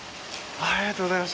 ありがとうございます。